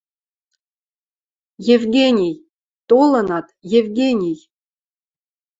«Евгений!.. Толынат, Евгений?!.»